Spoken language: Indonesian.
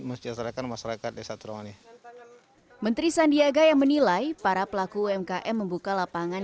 mesjasarakan masyarakat desa tromoni menteri sandiaga yang menilai para pelaku umkm membuka lapangan